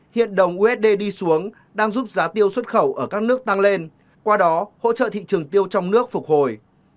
hiện đồng usd đi xuống đang giúp giá tiêu xuất khẩu ở các nước tăng lên qua đó hỗ trợ thị trường tiêu trong nước phục hồi